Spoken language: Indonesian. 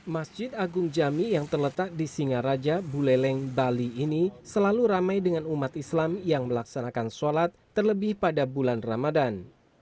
masjid agung jami yang terletak di singaraja buleleng bali ini selalu ramai dengan umat islam yang melaksanakan sholat terlebih pada bulan ramadan